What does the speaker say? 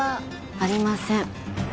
ありません